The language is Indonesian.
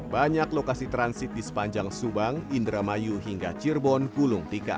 banyak lokasi transit di sepanjang subang indramayu hingga cirebon gulung tika